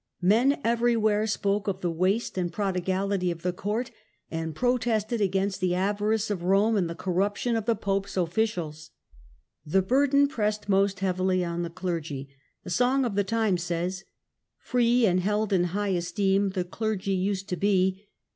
Men everywhere spoke of the waste and pro digality of the court, and protested against the avarice of Rome and the corruption of the pope's officials. The burden pressed most heavily on the cleigy. A song of the time says: Free and held in high esteem the clergy used to be.